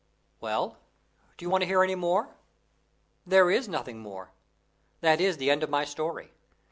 Well, do you want to hear any more? There is nothing more. That is the end of my story.